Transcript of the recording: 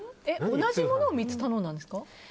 同じものを３つ頼んだんですか？